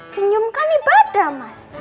senyum kan ibadah mas